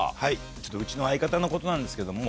ちょっとうちの相方のことなんですけども。